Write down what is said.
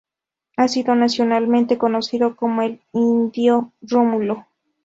Ha sido nacionalmente conocido como El indio Rómulo.